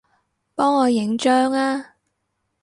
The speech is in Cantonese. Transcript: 幫我影張吖